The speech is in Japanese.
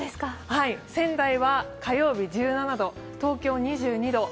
仙台は火曜日１７度、東京２２度。